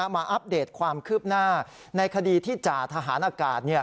อัปเดตความคืบหน้าในคดีที่จ่าทหารอากาศ